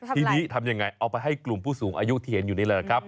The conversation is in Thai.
ทีนี้ทำยังไงเอาไปให้กลุ่มผู้สูงอายุที่เห็นอยู่นี่แหละครับ